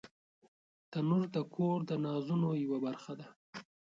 تنور د کور د نازونو یوه برخه ده